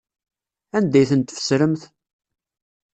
Anda ay ten-tfesremt?